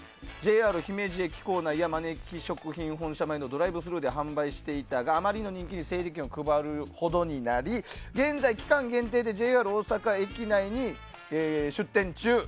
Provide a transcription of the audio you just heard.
ＪＲ姫路駅構内やまねき食品本社前のドライブスルーで販売していたがあまりにも人気で整理券を配るほどになり現在、期間限定でＪＲ大阪駅内に出店中。